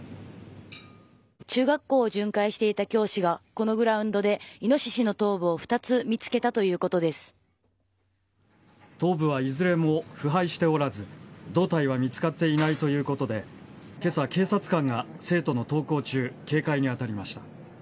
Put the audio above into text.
中学校を巡回していた教師がこのグラウンドでイノシシの頭部を頭部はいずれも腐敗しておらず胴体は見つかっていないということで今朝、警察官が生徒の登校中警戒に当たりました。